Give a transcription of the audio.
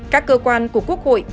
các cơ quan của quốc hội